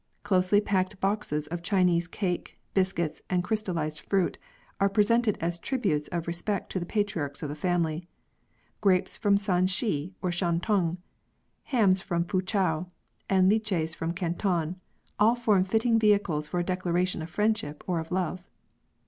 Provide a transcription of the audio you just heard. Closely packed boxes of Chinese cake, biscuits, and crystal lised fruit, are presented as tributes of respect to the patriarchs of the family ; grapes from Shansi or Shan tung, hams from Foochow, and lichees from Canton, all form fitting vehicles for a declaration of friendship or of love.